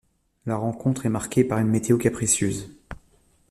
La rencontre est marquée par une météo capricieuse.